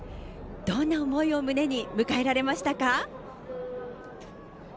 どんな思いを胸に迎えられましたか？